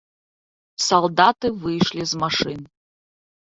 Салдаты выйшлі з машын.